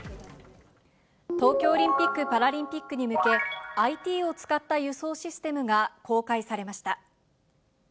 東京オリンピック・パラリンピックに向け、ＩＴを使った輸送システムが、公開されました。